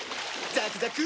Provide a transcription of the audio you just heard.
ザクザク！